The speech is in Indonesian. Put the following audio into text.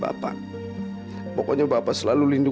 bapak tak akan kita berhenti sendirian ayah